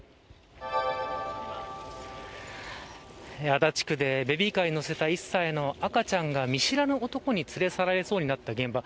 足立区でベビーカーに乗せた１歳の赤ちゃんが見知らぬ男に連れ去られそうになった現場。